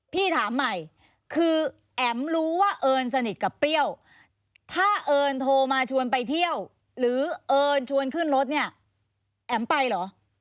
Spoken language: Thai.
พี่ถามใหม่คือแอ๋มรู้ว่าเอิญสนิทกับเปรี้ยวถ้าเอิญโทรมาชวนไปเที่ยวหรือเอิญชวนขึ้นรถเนี่ยแอ๋มไปเหรอ